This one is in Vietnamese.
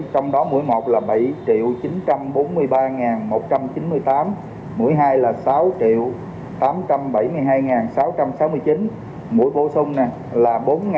trong đó mũi một là bảy chín trăm bốn mươi ba một trăm chín mươi tám mũi hai là sáu tám trăm bảy mươi hai sáu trăm sáu mươi chín mũi bổ sung là bốn năm